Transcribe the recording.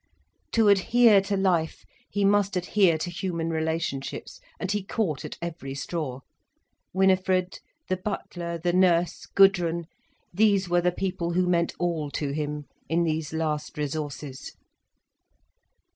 To adhere to life, he must adhere to human relationships, and he caught at every straw. Winifred, the butler, the nurse, Gudrun, these were the people who meant all to him, in these last resources.